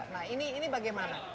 nah ini bagaimana